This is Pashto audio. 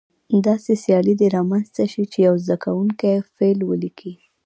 داسې سیالي دې رامنځته شي چې یو زده کوونکی فعل ولیکي.